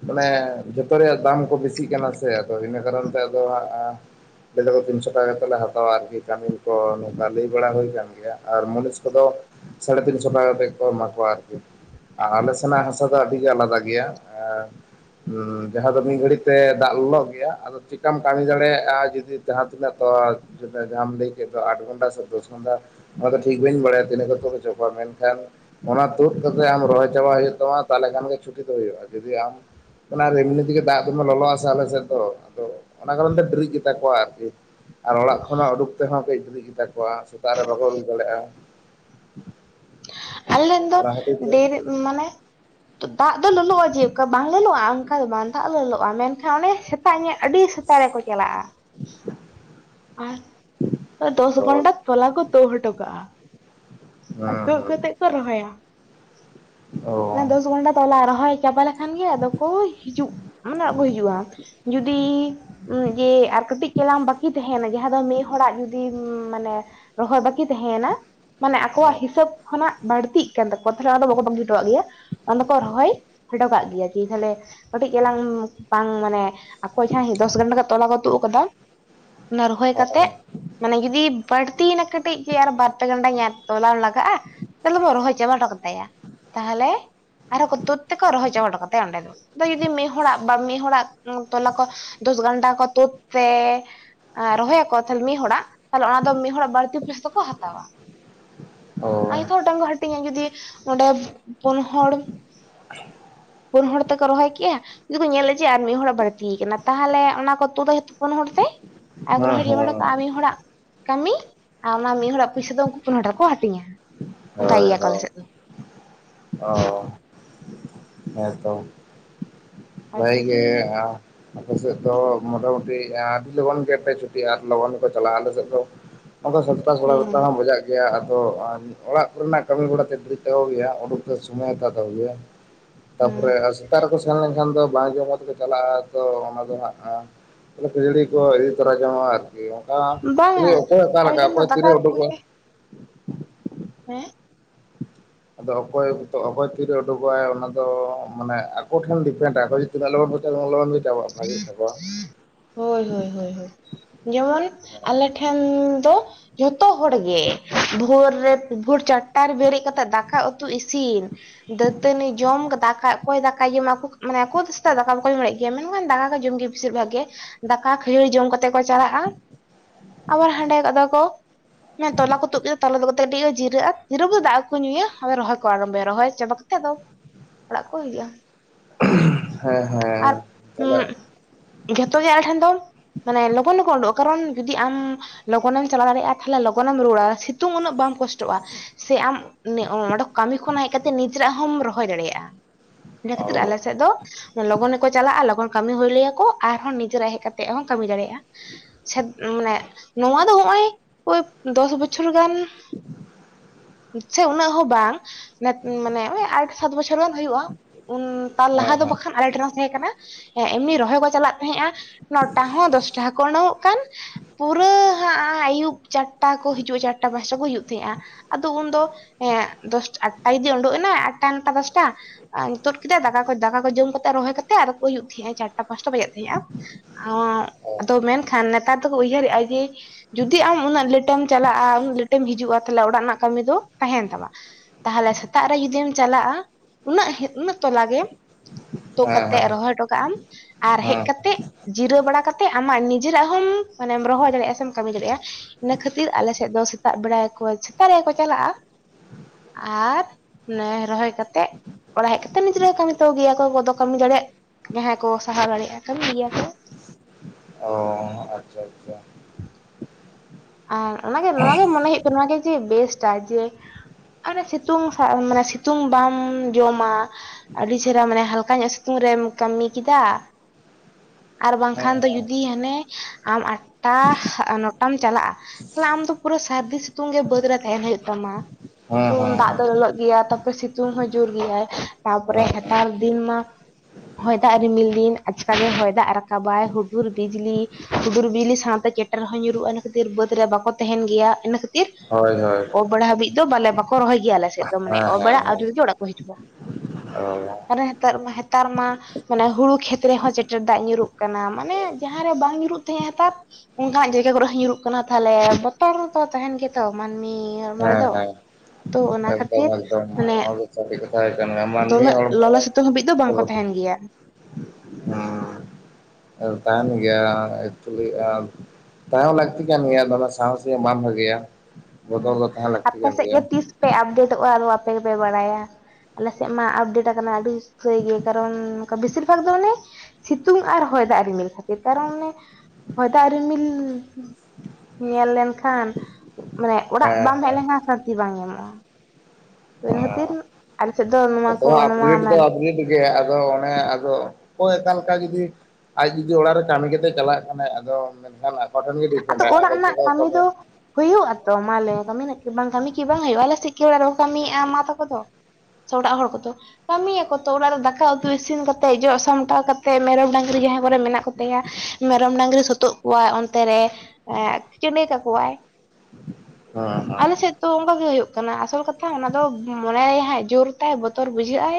A: ᱢᱟᱱᱮ ᱡᱚᱛᱚ ᱨᱮᱭᱟᱜ ᱫᱟᱢ ᱠᱚ ᱵᱮᱥᱤᱜ ᱠᱟᱱᱟ ᱥᱮ ᱟᱫᱚ ᱤᱱᱟᱹ ᱠᱟᱨᱚᱱ ᱛᱮ ᱟᱫᱚ ᱦᱟᱸᱜ ᱾ ᱟᱫᱚ ᱠᱚ ᱞᱟᱹᱭ ᱫᱟ ᱛᱤᱱᱥᱚ ᱴᱟᱠᱟ ᱠᱟᱛᱮ ᱞᱮ ᱦᱟᱛᱟᱣᱟ ᱟᱨᱠᱤ ᱠᱟᱹᱢᱤᱱ ᱠᱚ ᱱᱚᱝᱠᱟ ᱞᱟᱹᱭ ᱵᱟᱲᱟ ᱦᱩᱭ ᱠᱟᱱ ᱜᱮᱭᱟ, ᱟᱨ ᱢᱩᱱᱤᱥ ᱠᱚᱫᱚ ᱼᱼ ᱥᱟᱲᱮ ᱛᱤᱱ ᱥᱚ ᱴᱟᱠᱟ ᱠᱟᱛᱮ ᱜᱮᱠᱚ ᱮᱢᱟ ᱠᱚᱣᱟ ᱟᱨᱠᱤ᱾ ᱟᱞᱮ ᱥᱮᱱᱟᱜ ᱦᱟᱥᱟ ᱫᱚ ᱟᱹᱰᱤ ᱜᱮ ᱟᱞᱟᱫᱟ ᱜᱮᱭᱟ, ᱟᱨᱼᱼ ᱡᱟᱦᱟᱸ ᱫᱚ ᱢᱤᱫ ᱜᱷᱟᱹᱲᱤᱡ ᱛᱮ ᱫᱟᱜ ᱞᱚᱞᱚᱜ ᱜᱮᱭᱟ, ᱟᱫᱚ ᱪᱮᱠᱟᱢ ᱠᱟᱹᱢᱤ ᱫᱟᱲᱮᱭᱟᱜᱼᱟ ᱡᱩᱫᱤ ᱼᱼ ᱡᱟᱦᱟᱸ ᱛᱤᱱᱟᱹᱜ ᱛᱚᱣᱟ ᱡᱟᱦᱟᱸᱟᱢ ᱞᱟᱹᱭ ᱠᱮᱫ ᱫᱚ ᱟᱴ ᱜᱚᱱᱰᱟ ᱥᱮ ᱫᱚᱥ ᱜᱚᱱᱰᱟ ᱾ ᱱᱚᱣᱟ ᱫᱚ ᱴᱷᱤᱠ ᱵᱟᱹᱧ ᱵᱟᱲᱟᱭᱟ ᱾ ᱛᱤᱱᱟᱹᱜ ᱠᱟᱛᱮ ᱠᱚ ᱦᱚᱪᱚ ᱠᱚᱣᱟ ᱢᱮᱱᱠᱷᱟᱱᱼᱼ ᱚᱱᱟ ᱛᱩᱫ ᱠᱟᱛᱮᱜ ᱟᱢ ᱨᱚᱦᱚᱭ ᱪᱟᱵᱟ ᱦᱩᱭᱩᱜᱜ ᱛᱟᱢᱟ ᱛᱟᱦᱚᱞᱮ ᱠᱷᱟᱱ ᱜᱮ ᱪᱷᱩᱴᱤ ᱫᱚ ᱦᱩᱭᱩᱜᱼᱟ, ᱡᱩᱚᱫᱤ ᱟᱢ ᱼᱼ ᱚᱱᱟ ᱨᱮ ᱮᱤᱢᱱᱤ ᱛᱮᱜᱮ ᱫᱟᱜ ᱫᱚᱢᱮ ᱞᱚᱞᱚᱼᱟ ᱥᱮ ᱟᱞᱮᱥᱮᱫ ᱫᱚ ᱟᱫᱚ ᱚᱱᱟ ᱠᱟᱨᱚᱱ ᱛᱮ ᱰᱮᱨᱤᱡ ᱜᱮᱛᱟ ᱠᱚᱣᱟ ᱟᱨᱠᱤ ᱾ ᱟᱨ ᱚᱲᱟᱜ ᱠᱷᱚᱱᱟᱜ ᱩᱰᱩᱠ ᱛᱮᱦᱚᱸ ᱠᱟᱹᱡ ᱫᱮᱨᱤᱜ ᱜᱮᱛᱟ ᱠᱚᱣᱟ ᱥᱮᱛᱟᱜ ᱨᱮ ᱵᱟᱠᱚ ᱩᱰᱩᱠ ᱫᱟᱲᱮᱜᱼᱟ ᱾ [inaudible]
B: ᱟᱞᱮ ᱨᱮᱱ ᱫᱚ
A: ᱚᱱᱟ ᱠᱷᱟᱹᱛᱤᱨ ᱛᱮ
B: ᱰᱮᱨᱤ ᱢᱟᱱᱮ ᱾ ᱫᱟᱜ ᱫᱚ ᱞᱚᱞᱚᱜᱼᱟ ᱡᱮᱠᱟ ᱵᱟᱝ ᱞᱚᱞᱩᱜᱼᱟ, ᱚᱱᱠᱟ ᱫᱚ ᱵᱟᱝ ᱫᱟᱜ ᱞᱚᱞᱚᱜᱼᱟ, ᱢᱮᱱᱠᱷᱟᱱ ᱚᱱᱮ ᱼᱼ ᱥᱮᱛᱟᱜ ᱧᱚᱜ, ᱟᱹᱰᱤ ᱥᱮᱛᱟᱜ ᱨᱮᱠᱚ ᱪᱟᱞᱟᱜᱼᱟ ᱾ ᱟᱨ ᱫᱚᱥ
A: ᱦᱳᱭ
B: ᱜᱷᱚᱱᱴᱟ ᱾ ᱛᱚᱞᱟ ᱠᱚ ᱛᱳᱫ ᱦᱚᱴᱚ ᱠᱟᱜᱼᱟ, ᱟᱨ
A: ᱦᱩᱸ
B: ᱛᱳᱫ
A: ᱦᱩᱸ
B: ᱠᱟᱛᱮ ᱠᱚ ᱨᱚᱦᱚᱭᱟ
A: ᱚ
B: ᱾ ᱚᱱᱟ ᱫᱚᱥ ᱜᱚᱱᱰᱟ ᱾ ᱛᱚᱞᱟ ᱨᱚᱦᱚᱭ ᱪᱟᱵᱟ ᱞᱮᱠᱷᱟᱱ ᱜᱮ ᱟᱫᱚ ᱠᱚ ᱦᱤᱡᱩᱜ ᱢᱟᱱᱮ ᱠᱚ ᱦᱤᱡᱩᱜᱼᱟ, ᱡᱩᱫᱤ ᱼᱼ ᱡᱮ ᱟᱨ ᱠᱟᱹᱴᱤᱡ ᱪᱟᱞᱟᱝ ᱵᱟᱠᱤ ᱛᱟᱦᱮᱭᱮᱱᱟ ᱡᱟᱦᱟᱸ ᱫᱚ ᱢᱤᱫ ᱦᱚᱲᱟᱜ ᱡᱩᱫᱤ ᱢᱟᱱᱮ ᱼᱼ ᱨᱚᱦᱚᱭ ᱵᱟᱹᱠᱤ ᱛᱟᱦᱮᱸᱭᱮᱱᱟ, ᱢᱟᱱᱮ ᱟᱠᱚᱣᱟᱜ
A: ᱦᱮᱸ
B: ᱦᱤᱥᱟᱹᱵ ᱠᱷᱚᱱᱟᱜ ᱼᱼ ᱵᱟᱹᱲᱛᱤᱜ ᱠᱟᱱ ᱛᱟᱠᱚᱣᱟ ᱛᱟᱦᱚᱞᱮ ᱚᱱᱟ ᱫᱚ ᱵᱟᱠᱚ ᱵᱟᱜᱤ ᱦᱚᱴᱚᱣᱟᱜ ᱜᱮᱭᱟ ᱾ ᱚᱱᱟ ᱠᱚ ᱨᱚᱦᱚᱭ ᱡᱚᱴᱚ ᱠᱟᱜ ᱜᱮᱭᱟ ᱠᱤ ᱛᱟᱦᱞᱮ ᱠᱟᱹᱴᱤᱡ ᱪᱟᱞᱟᱝ ᱵᱟᱝ ᱢᱟᱱᱮ ᱾ ᱟᱠᱚ ᱡᱟᱦᱟᱸᱭ ᱫᱚᱥ ᱜᱟᱱᱰᱟ ᱠᱟᱛᱮ ᱛᱚᱞᱟ ᱠᱩ ᱛᱩᱜ ᱟᱠᱟᱫᱟ ᱚᱱᱟ ᱨᱚᱦᱚᱭ ᱠᱟᱛᱮᱜ
A: ᱦᱮᱸ
B: ᱾ ᱢᱟᱱᱮ ᱡᱩᱫᱤ ᱵᱟᱹᱲᱛᱤᱭᱮᱱᱟ ᱠᱟᱹᱴᱤᱡ ᱡᱮ ᱟᱨ ᱵᱟᱨ ᱯᱮ ᱜᱷᱟᱱᱴᱟ ᱧ ᱛᱚᱞᱟ ᱞᱟᱜᱟᱜᱼᱟ ᱾ ᱛᱟᱦᱞᱮ ᱵᱚ ᱨᱚᱦᱚᱭ ᱪᱟᱵᱟ ᱦᱚᱴᱚ ᱠᱟᱛᱟᱭᱟ ᱛᱟᱦᱚᱞᱮ ᱟᱨᱦᱚᱸ ᱠᱚ ᱛᱩᱫ ᱛᱮᱠᱚ ᱨᱚᱦᱚᱭ ᱪᱟᱵᱟ ᱦᱚᱴᱚ ᱠᱟᱛᱟᱭᱟ ᱚᱸᱰᱮ ᱫᱚ ᱾ ᱟᱫᱚ ᱡᱩᱫᱤ ᱢᱤᱫ ᱦᱚᱲᱟᱜ ᱵᱟ ᱢᱤᱫ ᱦᱚᱲᱟᱜ ᱛᱚᱞᱟ ᱠᱚ ᱫᱩᱥ ᱜᱟᱱᱰᱟ ᱠᱚ ᱛᱩᱫ ᱛᱮ ᱾ ᱨᱚᱦᱚᱭᱟ ᱠᱚ ᱛᱟᱦᱚᱞᱮ ᱢᱤᱫ ᱦᱚᱲᱟᱜ ᱛᱟᱦᱚᱞᱮ ᱚᱱᱟ ᱫᱚ ᱢᱤᱫ ᱦᱚᱲᱚᱲᱟᱜ ᱵᱟᱹᱲᱛᱤ ᱯᱚᱭᱥᱟ ᱠᱚ ᱦᱟᱛᱟᱣᱟ ᱾
A: ᱚ ᱾
B: ᱡᱚᱛᱚ ᱜᱚᱴᱟᱝ ᱠᱚ ᱦᱟᱹᱴᱤᱧᱟ ᱡᱩᱫᱤ ᱚᱸᱰᱮ ᱯᱩᱱ ᱦᱚᱲ ᱾
A: [unintelligible]
B: ᱯᱩᱱ ᱦᱚᱲ ᱛᱮᱠᱚ ᱨᱚᱦᱚᱭ ᱠᱮᱜᱼᱟ ᱾ ᱡᱩᱫᱤ ᱠᱚ ᱧᱮᱞᱟ ᱡᱮ ᱟᱨ ᱢᱤᱫ ᱦᱚᱲᱟᱜ ᱵᱟᱹᱲᱛᱤ ᱠᱟᱱᱟ ᱛᱟᱦᱚᱞᱮ ᱚᱱᱟ ᱠᱚ ᱛᱩᱫᱟ ᱡᱚᱛᱚ ᱯᱩᱱ ᱦᱚᱲᱛᱮ ᱾ ᱟᱨ ᱠᱚ
A: ᱦᱮᱸ
B: ᱨᱚᱦᱚᱭ ᱪᱟᱵᱟ ᱦᱚᱴᱚ
A: ᱦᱮᱸ
B: ᱠᱟᱜᱼᱟ ᱢᱤᱫ ᱦᱚᱲᱟᱜ ᱾ ᱠᱟᱹᱢᱤ ᱟᱨ ᱚᱱᱟ ᱢᱤᱫ ᱦᱚᱲᱟᱜ ᱯᱚᱭᱥᱟ ᱫᱚ ᱩᱱᱠᱩ ᱯᱩᱱ ᱦᱚᱲ ᱴᱷᱮᱱ ᱠᱚ ᱦᱟᱹᱴᱤᱧᱟ ᱾
A: ᱦᱳᱭ ᱦᱳᱭ ᱾ ᱚ ᱦᱮᱸᱛᱚ᱾
B: ᱟᱨ
A: ᱵᱷᱟᱹᱜᱤ
B: ᱡᱩᱫᱤ
A: ᱜᱮ ᱟᱢ ᱟᱯᱮ ᱥᱮᱜ ᱫᱚ ᱢᱚᱴᱟᱢᱩᱴᱤ ᱟᱹᱰᱤ ᱞᱚᱜᱚᱱ ᱜᱮᱯᱮ ᱪᱷᱩᱴᱤᱼᱟ ᱟᱨ ᱞᱚᱜᱚᱱ ᱜᱮᱠᱚ ᱪᱟᱞᱟᱜᱼᱟ ᱟᱞᱮ ᱥᱮᱫ ᱫᱚ? ᱚᱱᱟᱫᱚ ᱥᱟᱛᱴᱟ ᱥᱟᱲᱮ ᱥᱟᱛᱴᱟ
B: ᱦᱩᱸ
A: ᱜᱟᱱ ᱵᱟᱡᱟᱜ ᱜᱮᱭᱟ ᱟᱫᱚᱼᱼ ᱚᱲᱟᱜ ᱠᱚᱨᱮᱱᱟᱜ ᱠᱟᱢᱤ ᱵᱟᱲᱟᱛᱮ ᱰᱮᱨᱤᱜ ᱛᱟᱠᱚ ᱜᱮᱭᱟ ᱩᱰᱩᱠᱛᱮ ᱥᱚᱢᱚᱭ ᱦᱟᱛᱟ ᱛᱟᱠᱚ ᱜᱮᱭᱟ᱾ ᱛᱟᱯᱚᱨᱮ
B: ᱦᱩᱸ
A: ᱥᱮᱛᱟᱜ ᱨᱮᱠᱚ ᱥᱮᱱ ᱞᱮᱱᱠᱷᱟᱱ ᱫᱚ ᱵᱟᱝ ᱡᱚᱢ ᱟᱛᱮᱠᱚ ᱪᱟᱞᱟᱜᱼᱟ ᱛᱚ ᱚᱱᱟ ᱫᱚ ᱦᱟᱸᱜ᱾ ᱠᱷᱟᱹᱡᱟᱹᱲᱤ ᱠᱚ ᱤᱫᱤ ᱛᱚᱨᱟ ᱡᱚᱸᱝᱜᱚᱜᱼᱟ ᱟᱨᱠᱤ ᱚᱱᱠᱟ
B: ᱵᱟᱝᱟ
A: ᱚᱠᱚᱭ
B: ᱟᱞᱮ
A: ᱚᱠᱟᱞᱮᱠᱟ
B: ᱴᱷᱮᱱ ᱫᱚ
A: ᱚᱠᱚᱭ
B: ᱫᱟᱠᱟ
A: ᱛᱤᱨᱮ
B: ᱩᱛᱩ
A: ᱩᱰᱩᱠᱚᱜᱼᱟ᱾
B: ᱜᱮ ᱦᱮᱸ?
A: ᱟᱫᱚ ᱚᱠᱚᱭ ᱚᱠᱚᱭ ᱛᱤᱨᱮ ᱩᱰᱩᱠᱚᱜᱟᱭ ᱚᱱᱟ ᱫᱚ ᱢᱟᱱᱮ ᱟᱠᱚ ᱴᱷᱮᱱ ᱰᱤᱯᱮᱱᱰᱼᱟ ᱟᱠᱚ ᱡᱩ ᱛᱤᱱᱟᱹᱜ ᱞᱚᱜᱚᱱ ᱠᱚ ᱪᱟᱞᱟᱜᱼᱟ ᱩᱱᱟᱹᱜ ᱞᱚᱜᱚᱱ ᱜᱮ ᱪᱟᱵᱟᱜᱼᱟ ᱵᱷᱟᱜᱤᱜ ᱛᱟᱠᱚᱣᱟ᱾
B: ᱦᱳᱭ ᱦᱳᱭ ᱡᱮᱢᱚᱱ ᱟᱞᱮ ᱴᱷᱮᱱ ᱫᱚᱼᱼ ᱡᱷᱚᱛᱚ ᱦᱚᱲᱜᱮ ᱵᱷᱳᱨ ᱨᱮ ᱵᱷᱳᱨ ᱪᱟᱴᱴᱟ ᱨᱮ ᱵᱮᱨᱮᱜ ᱠᱟᱛᱮᱜ ᱫᱟᱠᱟ ᱩᱛᱩ ᱤᱥᱤᱱ ᱫᱟᱹᱛᱟᱹᱱᱤ ᱡᱚᱢ ᱫᱟᱠᱟ ᱚᱠᱚᱭ ᱫᱟᱠᱟᱭ ᱡᱚᱢᱟ ᱚᱠᱚ ᱢᱟᱱᱮ ᱚᱠᱚᱭ ᱫᱚ ᱥᱮᱛᱟᱜ ᱫᱟᱠᱟ ᱵᱟᱠᱚ ᱡᱚᱢ ᱫᱟᱲᱮᱜ ᱜᱮᱭᱟ ᱢᱮᱼᱼ ᱫᱟᱠᱟ ᱠᱚ ᱡᱚᱢ ᱜᱮᱭᱟ ᱵᱮᱥᱤᱨ ᱵᱷᱟᱜᱽ ᱜᱮ ᱫᱟᱠᱟ ᱠᱷᱟᱹᱡᱟᱹᱲᱤ ᱡᱚᱢ ᱠᱟᱛᱮ ᱠᱚ ᱪᱟᱞᱟᱜᱼᱟ᱾ ᱟᱵᱟᱨ ᱦᱟᱸᱰᱮ ᱠᱟᱫᱟ ᱠᱚ ᱛᱚᱞᱟ ᱠᱚ ᱛᱩᱫ ᱠᱮᱫᱟ ᱛᱚᱞᱟ ᱫᱚᱼᱼ ᱠᱟᱹᱴᱤᱡ ᱠᱚ ᱡᱤᱨᱟᱹᱜᱼᱟ ᱡᱤᱨᱟᱹ ᱵᱚᱞᱛᱮ ᱫᱟᱜ ᱠᱚᱠᱚ ᱧᱩᱭᱟ ᱟᱫᱚ ᱨᱚᱦᱚᱭ ᱠᱚ ᱟᱨᱚᱢᱵᱚᱭᱟ ᱨᱚᱦᱚᱭ ᱪᱟᱵᱟ ᱠᱟᱛᱮᱜ ᱟᱫᱚᱼᱼ ᱚᱲᱟᱜ ᱠᱚ ᱦᱤᱡᱩᱜᱼᱟ᱾
A: ᱦᱮᱸ
B: ᱟᱨ
A: ᱦᱮᱸ᱾ ᱛᱟᱦᱚᱞᱮ
B: ᱩᱸ ᱡᱷᱚᱛᱚ ᱜᱮ ᱟᱞᱮ ᱴᱷᱮᱱ ᱫᱚ ᱢᱟᱱᱮ ᱞᱚᱜᱚᱱ ᱞᱚᱜᱚᱱ ᱩᱰᱩᱠᱚᱜᱼᱟ ᱠᱟᱨᱚᱱ ᱡᱩᱫᱤ ᱟᱢᱼᱼ ᱞᱚᱜᱚᱱᱮᱢ ᱪᱟᱞᱟ ᱫᱟᱲᱮᱜᱼᱟ ᱛᱟᱦᱞᱮ ᱞᱚᱜᱚᱱᱮᱢ ᱨᱩᱣᱟᱹᱲᱟ ᱥᱤᱛᱩᱝ ᱩᱱᱟᱹᱜ ᱵᱟᱢ ᱠᱚᱥᱴᱚᱜᱼᱟ ᱥᱮ ᱟᱢᱼᱼ ᱚᱸᱰᱮ ᱠᱟᱹᱢᱤ ᱠᱷᱚᱱ ᱦᱮᱡ ᱠᱟᱛᱮᱜ ᱱᱤᱡᱮᱨᱟᱜ ᱦᱚᱢ ᱨᱚᱦᱚᱭ ᱫᱟᱲᱮᱜᱼᱟ᱾ ᱤᱱᱟᱹ ᱠᱷᱟᱹᱛᱤᱨ ᱟᱞᱮ
A: ᱚ
B: ᱥᱮᱫ ᱫᱚ ᱞᱚᱜᱚᱱ ᱜᱮᱠᱚ ᱪᱟᱞᱟᱜᱼᱟ ᱞᱚᱜᱚᱱᱼᱼ ᱠᱟᱢᱤ ᱦᱩᱭ ᱞᱮᱜᱮ ᱠᱚ ᱟᱨᱦᱚᱸ ᱱᱤᱡᱮᱨᱟᱜ ᱦᱮᱡ ᱠᱟᱛᱮ ᱦᱚᱸ ᱠᱟᱹᱢᱤ ᱫᱟᱲᱮᱜᱼᱟ᱾ ᱥᱮᱼᱼ ᱢᱟᱱᱮ ᱱᱚᱣᱟ ᱫᱚ ᱦᱚᱸᱜᱚᱭ ᱳᱭ ᱫᱚᱥ ᱵᱚᱪᱷᱚᱨ ᱜᱟᱱᱼᱼ ᱥᱮ ᱩᱱᱟᱹᱜ ᱦᱚᱸ ᱵᱟᱝ ᱢᱟᱱᱮ ᱳᱭ ᱟᱴ ᱥᱟᱛ ᱵᱚᱪᱷᱚᱨ ᱜᱟᱱ ᱦᱩᱭᱩᱜᱼᱟ ᱩᱱ ᱛᱟᱨ ᱞᱟᱦᱟ
A: ᱦᱮᱸ
B: ᱫᱚ
A: ᱦᱮᱸ
B: ᱵᱟᱠᱷᱟᱱ ᱟᱞᱮ ᱴᱷᱮᱱ ᱦᱚᱸ ᱛᱟᱦᱮ ᱠᱟᱱᱟ ᱮᱢᱱᱤ ᱨᱚᱦᱚᱭ ᱠᱚ ᱪᱟᱞᱟᱜ ᱛᱟᱦᱮᱸᱜᱼᱟᱼᱼ ᱱᱚᱴᱟ ᱦᱚᱸ ᱫᱚᱥᱴᱟ ᱦᱚᱸᱠᱚ ᱚᱸᱰᱜᱚᱜ ᱠᱟᱱ ᱯᱩᱨᱟᱹ ᱦᱟᱸᱜ ᱟᱭᱩᱵ ᱪᱟᱴᱴᱟ ᱠᱚ ᱦᱤᱡᱜᱼᱟ ᱪᱟᱴᱴᱟ ᱯᱟᱸᱪᱴᱟ ᱠᱚ ᱦᱤᱡᱩᱜ ᱛᱟᱸᱦᱮᱜᱼᱟ ᱟᱫᱚ ᱩᱱᱫᱚ ᱮᱸ ᱫᱚᱥ ᱟᱴᱴᱟ ᱡᱫᱤ ᱩᱰᱩᱠ ᱮᱱᱟᱭ ᱟᱴᱴᱟ ᱱᱚᱸᱴᱟ, ᱫᱚᱥᱴᱟ, ᱛᱩᱫ ᱠᱮᱫᱟᱭ ᱫᱟᱠᱟ ᱠᱚ ᱫᱟᱠᱟ ᱠᱚ ᱡᱚᱢ ᱠᱟᱛᱮᱜ ᱨᱚᱦᱚᱭ ᱠᱟᱛᱮ ᱟᱨ ᱠᱚ ᱟᱹᱭᱩᱵ ᱛᱟᱦᱮᱸᱜᱼᱟ ᱪᱟᱨᱴᱟ ᱯᱟᱸᱪᱴᱟ ᱵᱟᱡᱟᱜ ᱛᱟᱦᱮᱸᱜᱼᱟ ᱟᱫᱚ ᱢᱮᱱᱠᱷᱟᱱ ᱱᱮᱛᱟᱨ ᱫᱚᱠᱚ ᱩᱭᱦᱟᱹᱨᱮᱜᱼᱟ ᱡᱮᱼᱼ ᱡᱩᱫᱤ ᱟᱢ ᱩᱱᱟᱹᱜ ᱞᱮᱴᱮᱢ ᱪᱟᱞᱟᱜᱼᱟ ᱩᱱᱟᱹᱜ ᱞᱮᱴᱮᱢ ᱦᱤᱡᱩᱜᱼᱟ ᱛᱟᱦᱚᱞᱮ ᱚᱲᱟᱜ ᱨᱮᱱᱟᱜ ᱠᱟᱹᱢᱤ ᱫᱚ ᱛᱟᱦᱮᱱ ᱛᱟᱢᱟ᱾ ᱛᱟᱦᱚᱞᱮ ᱥᱮᱛᱟᱜ ᱨᱮ ᱡᱩᱫᱤᱢ ᱪᱟᱞᱟᱜᱼᱟ ᱩᱱᱟᱹᱜ ᱦᱤ ᱩᱱᱟᱹᱜ ᱛᱚᱞᱟ ᱜᱮᱼᱼ ᱛᱳᱜ
A: ᱦᱮᱸ
B: ᱠᱟᱛᱮ ᱨᱚᱦᱚᱭ ᱴᱚᱠᱟᱜ ᱟᱢ ᱟᱨ
A: ᱦᱮᱸ
B: ᱦᱮᱡ
A: ᱦᱮᱸ
B: ᱠᱟᱼᱼ ᱛᱮᱜ ᱡᱤᱨᱟᱹᱣ ᱵᱟᱲᱟ ᱠᱟᱛᱮᱜ ᱟᱢᱟᱜ ᱱᱤᱡᱮᱨᱟᱜ ᱦᱚᱸᱢ ᱢᱟᱱᱮᱢ ᱨᱚᱦᱚᱭ ᱫᱟᱲᱮᱜᱼᱟ ᱥᱮᱢᱼᱼ ᱠᱟᱹᱢᱤ ᱫᱟᱲᱮᱜᱼᱟ ᱤᱱᱟᱹ ᱠᱷᱟᱹᱛᱤᱨ ᱟᱞᱮ ᱥᱮᱫ ᱫᱚ ᱥᱮᱛᱟᱜ ᱵᱮᱲᱟ ᱜᱮᱠᱚ ᱥᱮᱛᱟᱜ ᱨᱮᱜᱮ ᱠᱚ ᱪᱟᱞᱟᱜᱼᱟ᱾ ᱟᱨ ᱚᱱᱮ ᱨᱚᱦᱚᱭ ᱠᱟᱛᱮᱜ, ᱚᱲᱟᱜ ᱦᱮᱡ ᱠᱟᱛᱮᱜ ᱱᱤᱡᱨᱮᱨᱟᱜ ᱠᱟᱹᱢᱤ ᱛᱟᱠᱚ ᱜᱮᱭᱟ ᱠᱚ ᱚᱠᱚᱭ ᱠᱚᱣᱟᱜ ᱫᱚ ᱠᱟᱹᱢᱤ ᱫᱟᱲᱮ ᱭᱟᱜ ᱡᱟᱸᱦᱟᱭ ᱠᱚ ᱥᱟᱦᱟᱣ ᱫᱟᱲᱮᱜᱼᱟ ᱠᱟᱹᱢᱤ ᱜᱮᱭᱟ ᱠᱚ᱾
A: ᱚ ᱟᱪᱪᱷᱟ ᱟᱪᱪᱷᱟ᱾
B: ᱟᱨ ᱚᱱᱟᱜᱮ ᱱᱚᱣᱟᱜᱮ ᱢᱚᱱᱮ ᱦᱩᱭᱩᱜ ᱠᱟᱱᱟ ᱱᱚᱣᱟᱜᱮ ᱡᱮ ᱵᱮᱥᱴᱟ ᱡᱮᱼᱼ ᱢᱟᱱᱮ ᱥᱤᱛᱩᱝ ᱥᱟ ᱢᱟᱱᱮ ᱥᱤᱛᱩᱝ ᱵᱟᱢ ᱡᱚᱢᱟ᱾ ᱟᱰᱤ ᱪᱮᱦᱨᱟ ᱢᱟᱱᱮ ᱦᱟᱞᱠᱟ ᱧᱚᱜ ᱥᱤᱸᱛᱩᱝ ᱨᱮᱢ ᱠᱟᱢᱤ ᱠᱮᱫᱟ ᱟᱨ
A: ᱦᱮᱸ
B: ᱵᱟᱝᱠᱷᱟᱱ ᱫᱚ
A: ᱦᱮᱸ
B: ᱡᱩᱫᱤ ᱦᱟᱱᱮ ᱟᱢ ᱟᱴᱴᱟ ᱱᱚᱴᱟᱢ ᱪᱟᱞᱟᱜᱼᱟ ᱛᱟᱦᱞᱮ ᱟᱢ ᱫᱚ ᱯᱩᱨᱟᱹ ᱥᱟᱨᱫᱤ ᱥᱤᱛᱩᱝ ᱜᱮ ᱵᱟᱹᱫᱽ ᱨᱮ ᱛᱟᱦᱮᱱ ᱦᱩᱭᱩᱜ ᱛᱟᱢᱟ
A: ᱦᱮᱸ
B: ᱛᱚ
A: ᱦᱮᱸ
B: ᱫᱟᱜ ᱫᱚ
A: ᱦᱮᱸ
B: ᱞᱚᱞᱚᱜ ᱜᱮᱭᱟ ᱛᱟᱯᱚᱨ ᱥᱤᱸᱛᱩᱝ ᱦᱚᱸᱭ ᱡᱳᱨ ᱜᱮᱭᱟᱭ ᱛᱟᱯᱚᱨᱮ
A: ᱦᱮᱸ
B: ᱱᱮᱛᱟᱨ ᱫᱤᱱ ᱢᱟᱼᱼ ᱦᱚᱭ ᱫᱟᱜ ᱨᱤᱢᱤᱞ ᱫᱤᱱ ᱟᱪᱠᱟᱜᱮ ᱦᱚᱭ ᱫᱟᱜ ᱨᱟᱠᱟᱵᱟᱭ ᱦᱩᱰᱩᱨ ᱵᱤᱡᱽᱞᱤ ᱦᱩᱰᱩᱨ ᱵᱤᱡᱽᱞᱤ ᱥᱟᱶᱛᱮ ᱪᱮᱴᱮᱨ ᱦᱚᱸ ᱧᱩᱨᱩᱜᱼᱟ ᱤᱱᱟᱹ ᱠᱷᱟᱹᱛᱤᱨ ᱵᱟᱹᱫᱽ ᱨᱮ ᱵᱟᱠᱚ ᱛᱟᱦᱮᱱ ᱜᱮᱭᱟ ᱤᱱᱟᱹ ᱠᱷᱟᱹᱛᱤᱨᱼᱼ
A: ᱦᱳᱭ ᱦᱳᱭ,
B: ᱚ ᱵᱮᱲᱟ ᱦᱟᱹᱵᱤᱡ ᱫᱚ ᱵᱟᱞᱮ ᱵᱟᱠᱚ ᱨᱚᱦᱚᱭ ᱜᱮᱭᱟ ᱟᱞᱮ ᱥᱮᱫ ᱫᱚ ᱢᱟᱱᱮ
A: ᱦᱮᱸ
B: ᱚ
A: ᱦᱮᱸ
B: ᱵᱮᱲᱟ ᱟᱣᱨᱤ
A: ᱦᱮᱸ
B: ᱨᱮᱜᱮ ᱚᱲᱟᱜ ᱠᱚ ᱦᱤᱡᱩᱜᱼᱟ।
A: [unintelligible]
B: ᱚᱱᱮ ᱦᱮᱛᱟᱨ ᱢᱟ ᱦᱮᱛᱟᱨ ᱢᱟ ᱢᱟᱱᱮ ᱦᱩᱲᱩ ᱠᱷᱮᱛᱨᱮᱦᱚᱸ ᱪᱮᱴᱮᱨ ᱫᱟᱜ ᱧᱩᱨᱩᱜ ᱠᱟᱱᱟ, ᱢᱟᱱᱮ ᱡᱟᱸᱦᱟ ᱨᱮ ᱵᱟᱝ ᱧᱩᱨᱩᱜ ᱛᱟᱦᱮᱸᱜ ᱱᱮᱛᱟᱨ ᱚᱱᱠᱟᱱᱟᱜ ᱡᱟᱭᱜᱟ ᱠᱚᱨᱮᱜ ᱦᱚᱸ ᱧᱩᱨᱩᱜ ᱠᱟᱱᱟ, ᱛᱟᱦᱞᱮ ᱵᱚᱛᱚᱨ ᱛᱚ ᱛᱟᱦᱮᱱ ᱜᱮᱛᱚ ᱢᱟᱹᱱᱢᱤ ᱦᱚᱲᱢᱚ
A: ᱦᱮᱸ
B: ᱨᱮᱫᱚ।
A: ᱦᱮᱸ
B: ᱛᱚ ᱚᱱᱟ
A: ᱮᱠᱫᱚᱢ
B: ᱠᱷᱟᱹᱛᱤᱨ
A: ᱮᱠᱫᱚᱢ
B: ᱢᱟᱱᱮ
A: ᱱᱚᱣᱟ ᱫᱚ ᱥᱟᱹᱨᱤ ᱠᱟᱛᱷᱟ ᱜᱮ ᱠᱟᱱ ᱜᱮᱭᱟ ᱢᱟᱹᱱᱢᱤ
B: ᱫᱩᱱᱟᱜ
A: ᱦᱚᱲᱢᱚ
B: ᱞᱚᱞᱚ ᱥᱤ ᱥᱤᱛᱩᱝ ᱦᱟᱹᱵᱤᱡ ᱫᱚ ᱵᱟᱝᱠᱚ ᱛᱟᱦᱮᱱ ᱜᱮᱭᱟ।
A: ᱛᱟᱸᱦᱮᱱ ᱜᱮᱭᱟ [unintelligible] ᱛᱟᱸᱦᱮ ᱦᱚᱸ ᱞᱟᱹᱠᱛᱤ ᱠᱟᱱ ᱜᱮᱭᱟ ᱫᱚᱢᱮ ᱥᱟᱦᱚᱥᱤᱭᱟᱹ ᱵᱟᱝ ᱵᱷᱟᱹᱜᱤᱭᱟ।
B: ᱦᱮᱸ ᱟᱯᱮ ᱥᱮᱫ ᱜᱮ ᱛᱤᱥ ᱯᱮ ᱟᱯᱰᱮᱴᱚᱜᱼᱟ, ᱟᱫᱚ ᱟᱯᱮ ᱜᱮᱯᱮ ᱵᱟᱲᱟᱭᱟ। ᱟᱞᱮ ᱥᱮᱫ ᱢᱟ ᱟᱯᱰᱮᱴ ᱟᱠᱟᱱᱟ ᱟᱹᱰᱤ ᱩᱥᱛᱟᱹᱭ ᱜᱮ ᱠᱟᱨᱚᱱ ᱱᱚᱝᱠᱟ ᱵᱮᱥᱤᱨ ᱵᱷᱟᱜᱽ ᱫᱚ ᱚᱱᱮ ᱥᱤᱛᱩᱝ ᱟᱨ ᱦᱚᱭ ᱫᱟᱜ ᱨᱤᱢᱤᱞ ᱠᱷᱟᱹᱛᱤᱨ ᱠᱟᱨᱚᱱ ᱢᱟᱱᱮ ᱦᱚᱭ ᱫᱟᱜ ᱨᱤᱢᱤᱞ ᱧᱮᱞ ᱞᱮᱱ ᱠᱷᱟᱱ ᱢᱟᱱᱮ ᱚᱲᱟᱜ
A: ᱦᱮᱸ
B: ᱵᱟᱢ ᱦᱮᱡ ᱞᱮᱱᱠᱷᱟᱱ ᱥᱟᱱᱛᱤ ᱵᱟᱝ ᱧᱟᱢᱚᱜᱼᱟ। ᱤᱱᱟᱹ ᱠᱷᱟᱹᱛᱤᱨ ᱟᱞᱮ ᱥᱮᱫ ᱫᱚ ᱱᱚᱣᱟ
A: ᱟᱫᱚ
B: ᱠᱚ ᱱᱚᱣᱟ
A: ᱟᱯᱰᱮᱴ ᱫᱚ
B: ᱢᱮᱱ
A: ᱟᱯᱰᱮᱴ ᱜᱮ ᱟᱫᱚ ᱚᱱᱮ ᱟᱫᱚ ᱚᱠᱚᱭ ᱚᱠᱟ ᱞᱮᱠᱟ ᱡᱩᱫᱤ ᱟᱡ ᱡᱩᱫᱤ ᱚᱲᱟᱜ ᱨᱮ ᱠᱟᱹᱢᱤ ᱠᱟᱛᱮᱫ ᱪᱟᱞᱟᱜ ᱠᱟᱱᱟᱭ ᱟᱫᱚ ᱢᱮᱱᱠᱷᱟᱱ ᱟᱠᱚ ᱴᱷᱮᱱ ᱜᱮ ᱰᱤᱯᱮᱱᱰᱟᱭ
B: ᱚᱲᱟᱜ
A: ᱟᱫᱚ
B: ᱨᱮᱱᱟᱜ
A: ᱪᱮᱫᱟᱜ
B: ᱠᱟᱹᱢᱤ
A: ᱛᱚᱵᱮ
B: ᱫᱚ ᱦᱩᱭᱩᱜ ᱟᱛᱚ ᱢᱟ ᱞᱟᱹᱭ ᱢᱮ ᱠᱟᱹᱢᱤ ᱠᱤ ᱵᱟᱝ ᱠᱟᱹᱢᱤ ᱠᱤ ᱵᱟᱝ ᱦᱩᱭᱩᱜᱼᱟ ᱟᱞᱮ ᱥᱮᱫ ᱠᱤ ᱚᱲᱟᱜ ᱨᱮᱠᱚ ᱠᱟᱹᱢᱮᱫᱟ ᱢᱟ ᱛᱟᱠᱚ ᱫᱚ। ᱥᱮ ᱚᱲᱟᱜ ᱦᱚᱲ ᱠᱚᱫᱚ, ᱠᱟᱹᱢᱤᱭᱟ ᱟᱠᱚ ᱛᱚ ᱚᱲᱟᱜ ᱨᱮ ᱫᱟᱠᱟ ᱩᱛᱩ ᱤᱥᱤᱱ ᱠᱟᱛᱮᱫ, ᱡᱚᱜ ᱥᱟᱢᱴᱟᱣ ᱠᱟᱛᱮᱫ, ᱢᱮᱨᱚᱢ ᱰᱟᱹᱟᱝᱨᱤ ᱡᱟᱦᱟᱸᱭ ᱠᱚᱨᱮᱱ ᱢᱮᱱᱟᱜ ᱠᱚ ᱛᱮᱭᱟ ᱢᱮᱨᱚᱢ ᱰᱟᱝᱨᱤ ᱥᱩᱛᱩᱜ ᱠᱚᱣᱟᱭ ᱚᱱᱛᱮ ᱨᱮ ᱪᱤᱰᱤ ᱠᱟᱠᱚᱣᱟᱭ।
A: ᱦᱩᱸ।
B: ᱟᱞᱮ ᱥᱮᱫ ᱛᱚ ᱚᱱᱠᱟ ᱜᱮ ᱦᱩᱭᱩᱜ ᱠᱟᱱᱟ, ᱟᱥᱚᱞ ᱠᱟᱛᱷᱟ ᱚᱱᱟ ᱫᱚ ᱢᱚᱱᱮᱨᱮ ᱡᱟᱦᱟᱭ ᱡᱳᱨ ᱛᱟᱭ ᱵᱚᱛᱚᱨ ᱵᱩᱡᱷᱟᱹᱜ ᱟᱭ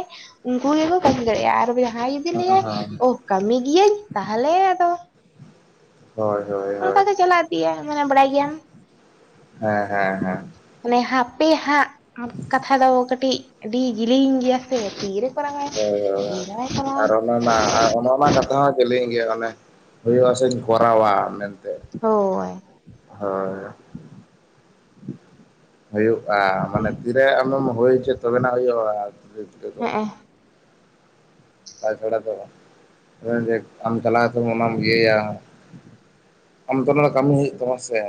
B: ᱩᱱᱠᱩ ᱜᱮᱠᱚ ᱠᱟᱹᱢᱤ ᱫᱟᱲᱮᱭᱟᱜᱼᱟ, ᱟᱨ ᱡᱟᱦᱟᱸᱭ ᱡᱩᱫᱤ
A: ᱦᱮᱸ ᱦᱮᱸ
B: ᱞᱟᱹᱭᱟᱭ
A: ᱦᱮᱸ
B: ᱚ ᱠᱟᱹᱢᱤ ᱜᱤᱭᱟᱹᱧ ᱛᱟᱦᱚᱞᱮ ᱟᱫᱚ
A: ᱦᱳᱭ ᱦᱳᱭ।
B: ᱚᱱᱠᱟ
A: ᱦᱳᱭ
B: ᱜᱮ ᱪᱟᱞᱟᱣ ᱤᱫᱤ-ᱟ ᱢᱟᱱᱮ ᱵᱟᱲᱟᱭ ᱜᱮᱭᱟᱢ।
A: ᱦᱮᱸ ᱦᱮᱸ ᱦᱮᱸ।
B: ᱚᱱᱮ ᱦᱟᱯᱮ ᱦᱟᱸᱜ ᱠᱟᱛᱷᱟ ᱫᱚ ᱠᱟᱹᱴᱤᱡ ᱟᱹᱰᱤ ᱡᱤᱞᱤᱧ ᱜᱮᱭᱟ ᱥᱮ ᱛᱤᱨᱮ ᱠᱚᱨᱟᱣᱟᱭ?
A: ᱦᱳᱭ ᱦᱳᱭ
B: ᱛᱤᱨᱮ ᱵᱟᱭ ᱠᱚᱨᱟᱣᱟ
A: ᱟᱨ ᱚᱱᱟ ᱢᱟ ᱚᱱᱟ ᱚᱱᱟ ᱠᱟᱛᱷᱟ ᱦᱚᱸ ᱪᱮᱞᱤᱧ ᱜᱮᱭᱟ ᱚᱱᱮ ᱦᱩᱭᱩᱜᱼᱟ ᱥᱮᱧ ᱠᱚᱨᱟᱣ-ᱟ ᱢᱮᱱᱛᱮ।
B: ᱦᱳᱭ।
A: ᱦᱳᱭ। ᱦᱩᱭᱩᱜᱼᱟ ᱢᱟᱱᱮ ᱛᱤᱨᱮ ᱟᱢᱮᱢ ᱦᱩᱭ ᱦᱚᱪᱚᱭᱟ ᱛᱚᱵᱮᱱᱟᱜ ᱦᱩᱭᱩᱜᱼᱟ।
B: ᱦᱮᱸᱜ ᱮ।
A: ᱛᱟ ᱪᱷᱟᱲᱟ ᱫᱚ ᱵᱟ ᱟᱢ ᱪᱟᱞᱟᱣ ᱠᱟᱛᱮ ᱚᱱᱟᱢ ᱤᱭᱟᱹᱭᱟ। ᱟᱢᱫᱚ ᱚᱱᱟ ᱫᱚ ᱠᱟᱹᱢᱤ ᱦᱩᱭᱩᱜ ᱛᱟᱢᱟ ᱥᱮ?